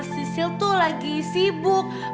sisil tuh lagi sibuk